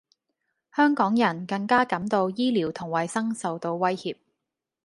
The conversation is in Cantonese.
香港人更加感到醫療同衛生受到威脅